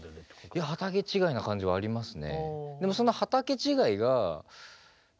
いや畑違いな感じはありますね。